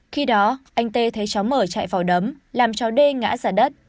khi đó anh t thấy cháu mở chạy vào đấm làm cháu d ngã ra đất